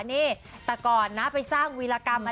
นี่แต่ก่อนนะไปสร้างวีรกรรม